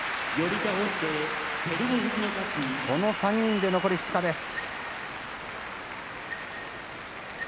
この３人で残り２日です。